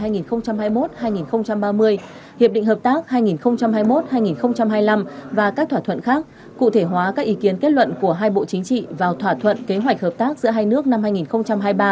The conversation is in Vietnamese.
giai đoạn hai nghìn hai mươi một hai nghìn ba mươi hiệp định hợp tác hai nghìn hai mươi một hai nghìn hai mươi năm và các thỏa thuận khác cụ thể hóa các ý kiến kết luận của hai bộ chính trị vào thỏa thuận kế hoạch hợp tác giữa hai nước năm hai nghìn hai mươi ba